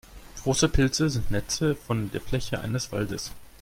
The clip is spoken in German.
Große Pilze sind Netze von der Fläche eines Waldes.